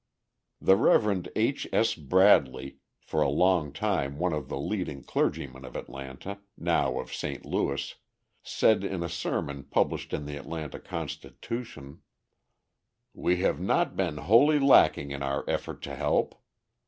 The Rev. H. S. Bradley, for a long time one of the leading clergymen of Atlanta, now of St. Louis, said in a sermon published in the Atlanta Constitution: ... We have not been wholly lacking in our effort to help.